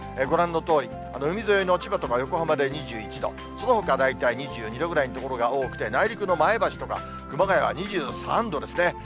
ご覧のとおり、海沿いの千葉とか横浜で２１度、そのほか大体２２度ぐらいの所が多くて、内陸の前橋とか、熊谷は２３度ですね。